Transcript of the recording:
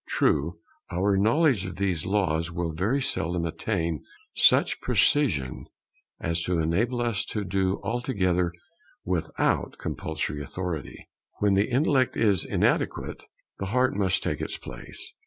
True, our knowledge of these laws will very seldom attain such precision as to enable us to do altogether without compulsory authority. When the intellect is inadequate, the heart must take its place.